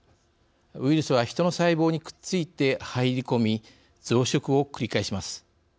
ウイルスはヒトの細胞にくっついて入り込み増殖を繰り返します。